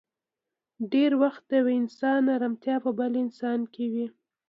ډېری وخت د يو انسان ارمتيا په بل انسان کې وي.